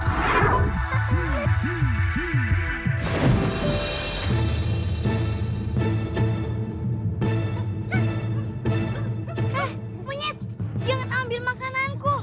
munyit jangan ambil makananku